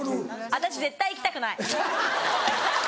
私絶対行きたくない。